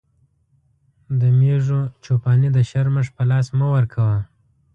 د مېږو چو پاني د شرمښ په لاس مه ورکوه.